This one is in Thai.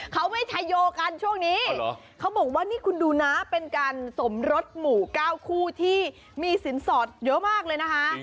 เขาไม่ชัยโยกันช่วงนี้เขาบอกว่านี่คุณดูนะเป็นการสมรสหมู่๙คู่ที่มีสินสอดเยอะมากเลยนะคะ